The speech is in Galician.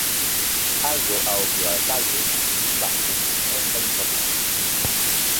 Algo ao que o alcalde, Xesús Vázquez, resta importancia.